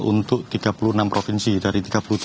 untuk tiga puluh enam provinsi dari tiga puluh tujuh